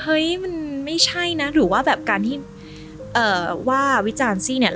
เฮ้ยมันไม่ใช่นะหรือว่าแบบการที่ว่าวิจารณ์ซี่เนี่ย